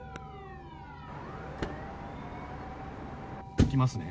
行きますね。